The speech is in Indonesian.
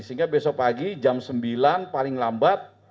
sehingga besok pagi jam sembilan paling lambat